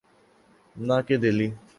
نہ کہ دہلی۔